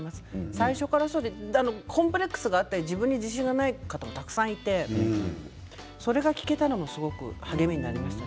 最初からコンプレックスがあったり自分に自信がない方もたくさんいてそれを聞くことができたのが励みになりました